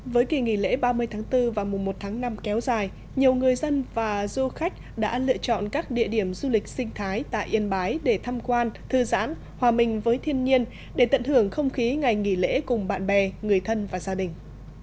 với kỳ nghỉ lễ ba mươi tháng bốn và mùa một tháng năm kéo dài nhiều người dân và du khách đã lựa chọn các địa điểm du lịch sinh thái tại yên bái để tham quan thư giãn hòa mình với thiên nhiên để tận hưởng không khí ngày nghỉ lễ cùng bạn bè người thân và gia đình